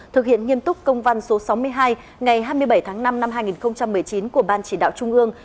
thực hiện nghiêm túc công văn số sáu mươi hai ngày hai mươi bảy tháng năm năm hai nghìn một mươi chín của ban chỉ đạo trung ương